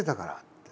って。